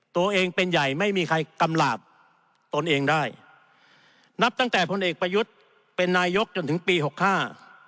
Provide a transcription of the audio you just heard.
ตัวเองเป็นใหญ่ไม่มีใครกำหลาบตนเองได้นับตั้งแต่พลเอกประยุทธ์เป็นนายกจนถึงปีหกห้า